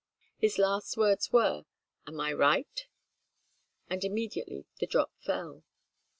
His last words were, "Am I right?" and immediately the drop fell.